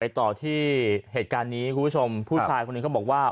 ต่อที่เหตุการณ์นี้คุณผู้ชมผู้ชายคนหนึ่งเขาบอกว่า